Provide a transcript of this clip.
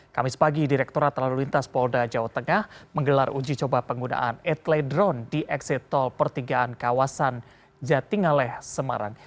kamis pagi direkturat lalu lintas polda jawa tengah menggelar uji coba penggunaan etledron di eksit tol pertigaan kawasan jatingaleh semarang